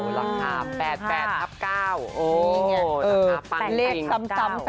อ๋อหลังคาม๘๘ทับ๙โอ้โฮสำหรับปัญหา๘ทับ๙